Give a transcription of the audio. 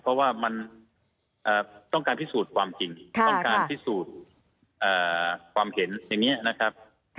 เพราะว่ามันต้องการพิสูจน์ความจริงต้องการพิสูจน์ความเห็นอย่างนี้นะครับ